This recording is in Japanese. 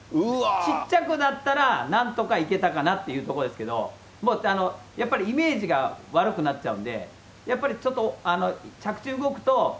ちっちゃくなったら、なんとかいけたかなっていうところですけど、やっぱり、イメージが悪くなっちゃうんで、やっぱりちょっと、うわー。